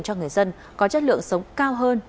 cho người dân có chất lượng sống cao hơn